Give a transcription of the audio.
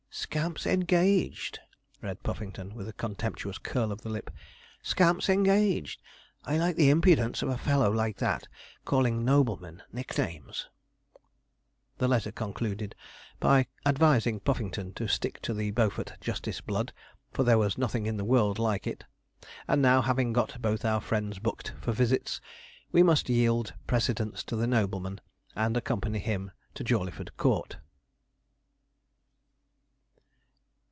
"' ('Scamp's engaged,' read Puffington, with a contemptuous curl of the lip, 'Scamp's engaged: I like the impudence of a fellow like that calling noblemen nicknames.') The letter concluded by advising Puffington to stick to the Beaufort Justice blood, for there was nothing in the world like it. And now, having got both our friends booked for visits, we must yield precedence to the nobleman, and accompany him to Jawleyford Court.